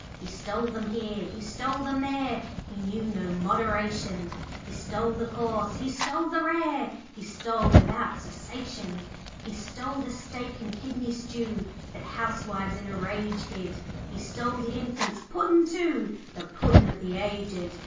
'He stole them here, he stole them there, He knew no moderation; He stole the coarse, he stole the rare, He stole without cessation. 'He stole the steak and kidney stew That housewives in a rage hid; He stole the infant's Puddin' too, The Puddin' of the aged.